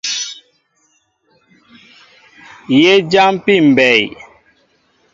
Yé jáámpí mbɛy.